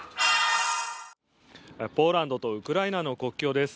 ポーランドとウクライナの国境です。